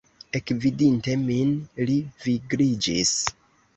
Ekvidinte min, li vigliĝis.